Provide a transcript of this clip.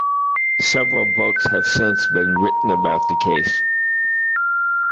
Several books have since been written about the case.